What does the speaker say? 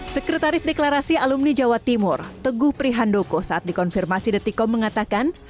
sekretaris deklarasi alumni jawa timur teguh prihandoko saat dikonfirmasi detikom mengatakan